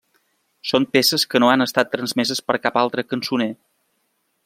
Són peces que no han estat transmeses per cap altre cançoner.